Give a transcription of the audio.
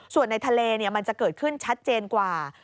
ส่วนในทะเลมันจะเกิดขึ้นชัดเจนกว่า